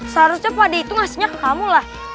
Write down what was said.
seharusnya pak d itu ngasihnya ke kamu lah